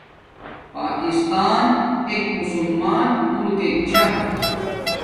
پاکستان ایک مسمان ملکک چھا